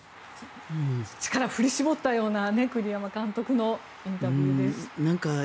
力を振り絞ったような栗山監督のインタビューです。